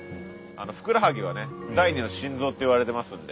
ふくらはぎはね「第２の心臓」っていわれてますんで。